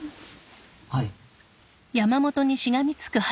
はい。